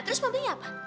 terus pembeli apa